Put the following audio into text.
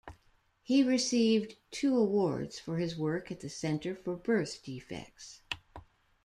He received two awards for his work at the Center for Birth Defects.